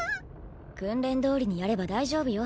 訓練どおりにやれば大丈夫よ